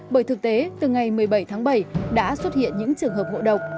bởi thực tế từ ngày một mươi bảy tháng bảy đã xuất hiện những trường hợp ngộ độc